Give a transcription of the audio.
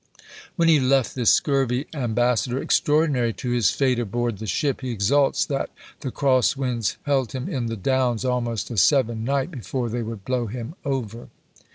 When he left this scurvy ambassador extraordinary to his fate aboard the ship, he exults that "the cross winds held him in the Downs almost a seven night before they would blow him over."